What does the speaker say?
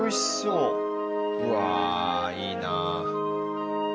うわいいなあ。